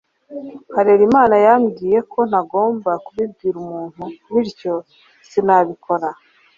Harerimana yambwiye ko ntagomba kubibwira umuntu, bityo sinabikora.